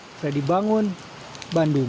fredy bangun bandung